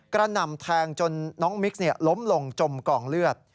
กระหน่ำแทงจนน้องมิคล้มลงจมกล่องเลือด